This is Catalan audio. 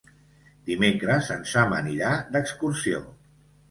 Dimecres en Sam anirà d'excursió.